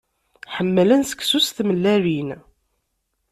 Ḥemmlen seksu s tmellalin.